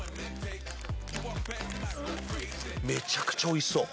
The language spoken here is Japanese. めちゃくちゃおいしそう。